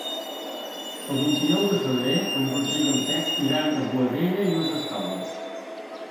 El vint-i-nou de febrer en Roger i en Pep iran a Boadella i les Escaules.